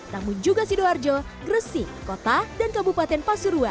namun juga sidoarjo gresik kota dan kabupaten pasuruan